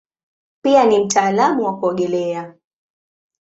Pia ni mtaalamu wa kuogelea.